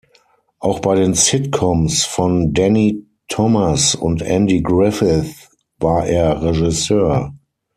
Auch bei den Sitcoms von Danny Thomas und Andy Griffith war er Regisseur.